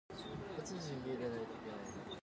大丈夫ですか？